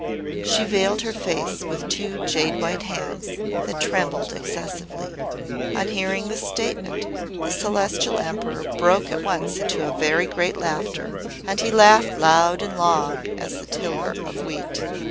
She veiled her face with two jade white hands that trembled excessively. On hearing this statement the Celestial Emperor broke at once into a very great laughter, and he laughed loud and long as a tiller of wheat.